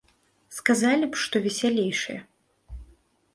Сказалі б што весялейшае!